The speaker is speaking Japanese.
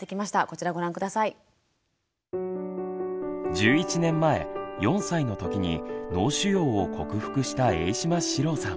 １１年前４歳のときに脳腫瘍を克服した榮島四郎さん。